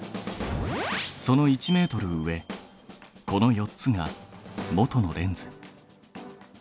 その１ｍ上この４つが元のレンズ。